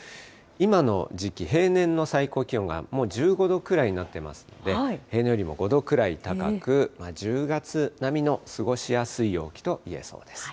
今の時期、平年の最高気温がもう１５度くらいになっていますんで、平年よりも５度くらい高く、１０月並みの過ごしやすい陽気といえそうです。